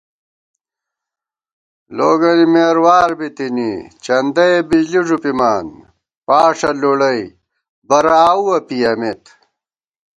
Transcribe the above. لوگَنی مېروار بِتِنی چندَئے بِجلی ݫُپِمان پاݭہ لُڑَئی بَرَہ آؤوَہ پِیَمېت